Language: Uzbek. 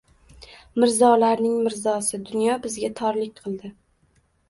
Mirzolarning mirzosi, dunyo bizga torlik qildi